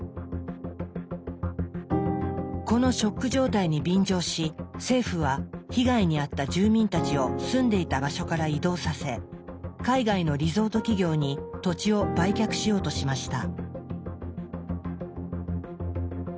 このショック状態に便乗し政府は被害に遭った住民たちを住んでいた場所から移動させ海外のリゾート企業に土地を売却しようとしました。